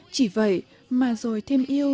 chỉ vậy mà rồi thêm yêu